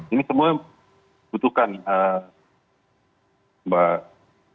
ini semua butuhkan mbak